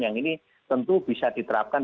yang ini tentu bisa diterapkan